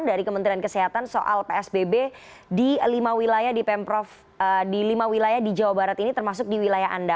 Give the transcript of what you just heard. dari kementerian kesehatan soal psbb di lima wilayah di jawa barat ini termasuk di wilayah anda